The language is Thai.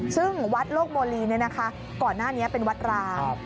ซึ่งวัดโลกโมลีก่อนหน้านี้เป็นวัดร้าง